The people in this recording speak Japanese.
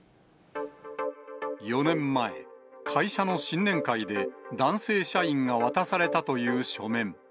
４年前、会社の新年会で男性社員が渡されたという書面。